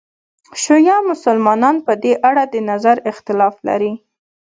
شیعه مسلمانان په دې اړه د نظر اختلاف لري.